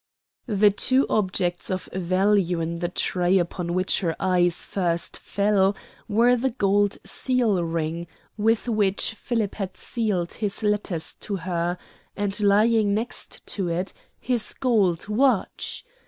The two objects of value in the tray upon which her eyes first fell were the gold seal ring with which Philip had sealed his letters to her, and, lying next to it, his gold watch!